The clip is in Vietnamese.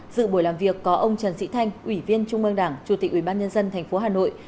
dự buổi làm việc có ông trần sĩ thanh ủy viên trung mương đảng chủ tịch ủy ban nhân dân tp hà nội